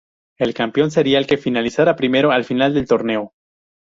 El campeón sería el que finalizara primero al final del torneo.